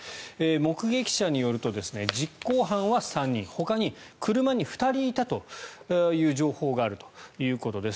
目撃者によると実行犯は３人ほかに車に２人いたという情報があるということです。